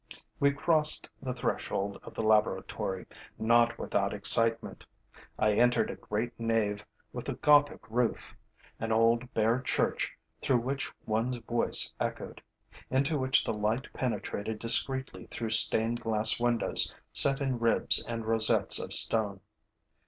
We crossed the threshold of the laboratory, not without excitement. I entered a great nave with a Gothic roof, an old, bare church through which one's voice echoed, into which the light penetrated discreetly through stained glass windows set in ribs and rosettes of stone.